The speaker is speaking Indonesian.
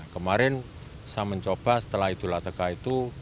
kemarin saya mencoba setelah itu lataka itu